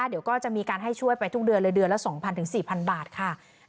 เดี๋ยวก็จะมีการให้ช่วยไปทุกเดือนเลยเดือนละ๒๐๐๔๐๐บาทค่ะ